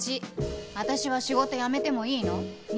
１私は仕事辞めてもいいの？